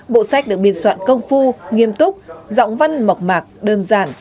bộ sách được biên soạn công phu nghiêm túc giọng văn mộc mạc đơn giản